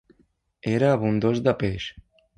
Era abundós de peix.